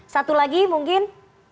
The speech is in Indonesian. satu lagi mungkin